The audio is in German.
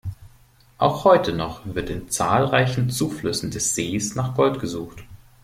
Auch heute noch wird in zahlreichen Zuflüssen des Sees nach Gold gesucht.